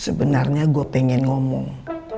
sebenernya gua pengen ngomong